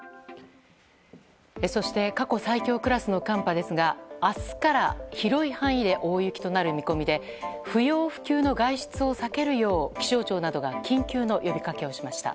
そして過去最強クラスの寒波ですが明日から広い範囲で大雪となる見込みで不要不急の外出を避けるよう気象庁などが緊急の呼びかけをしました。